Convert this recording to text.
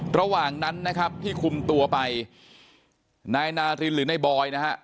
ระหว่างนั้นนะครับที่คุมตัวไปนายนารินหรือนายบอยนะฮะ